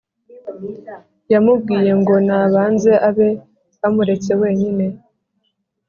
yamubwiye ngo nabanze abe amuretse wenyine